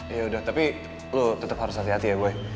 yaudah tapi lo tetep harus hati hati ya boy